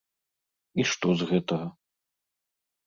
І што з гэтага?